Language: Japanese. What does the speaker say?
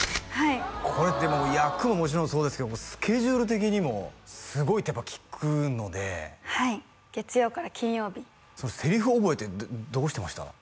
これでも役ももちろんそうですけどもスケジュール的にもすごいってやっぱ聞くのではい月曜から金曜日セリフ覚えってどうしてました？